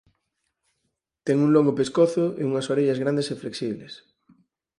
Ten un longo pescozo e unhas orellas grandes e flexibles.